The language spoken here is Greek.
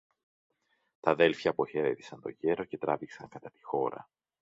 Τ' αδέλφια αποχαιρέτησαν το γέρο και τράβηξαν κατά τη χώρα.